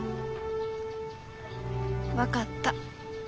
分かった。